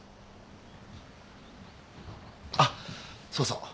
あっそうそう。